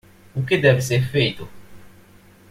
O que deve ser feito?